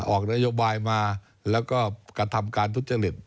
ออกนโยบายมาแล้วก็กระทำการทุจริต